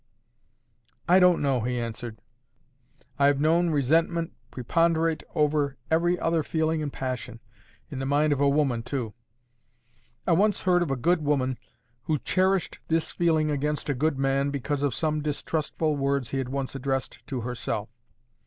"I don't know," he answered. "I have known resentment preponderate over every other feeling and passion—in the mind of a woman too. I once heard of a good woman who cherished this feeling against a good man because of some distrustful words he had once addressed to herself.